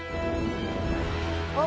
「あっ！」